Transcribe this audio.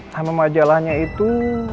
nama majalahnya itu